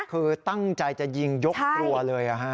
คือตั้งใจจะยิงยกตัวเลยอ่ะฮะ